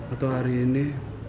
atau hari ini